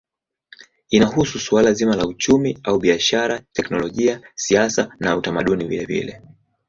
Inahusu suala zima la uchumi au biashara, teknolojia, siasa na utamaduni vilevile.